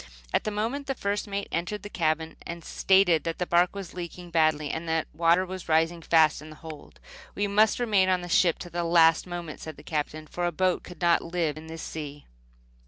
At that moment the first mate entered the cabin and stated that the bark was leaking badly. The water was rising fast in the hold. "We must remain on the ship to the last moment," said the Captain, "for a boat could not live in this sea."